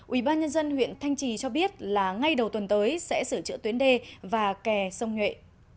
ubnd huyện thanh trì cho biết là ngay đầu tuần tới sẽ sửa chữa tuyến đê và kè sông nhuệ